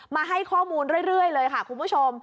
มาให้ข้อมูลเรื่อยเลยค่ะคุณผู้ชม